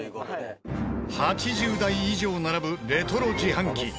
８０台以上並ぶレトロ自販機。